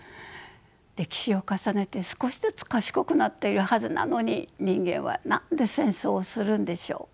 歴史を重ねて少しずつ賢くなっているはずなのに人間は何で戦争をするんでしょう？